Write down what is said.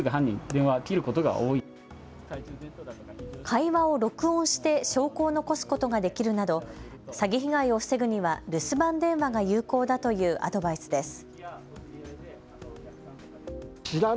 会話を録音して証拠を残すことができるなど詐欺被害を防ぐには留守番電話が有効だというアドバイスです。